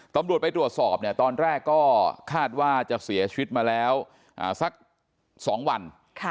ตำรวจไปตรวจสอบเนี่ยตอนแรกก็คาดว่าจะเสียชีวิตมาแล้วสัก๒วัน